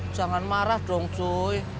jangan marah dong cuy